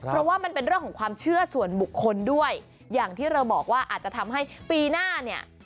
เพราะว่ามันเป็นเรื่องของความเชื่อส่วนบุคคลด้วยอย่างที่เราบอกว่าอาจจะทำให้ปีหน้าเนี่ย